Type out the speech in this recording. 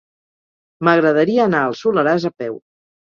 M'agradaria anar al Soleràs a peu.